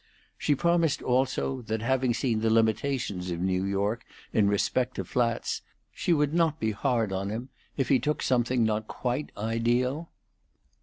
She promised also that, having seen the limitations of New York in respect to flats, she would not be hard on him if he took something not quite ideal.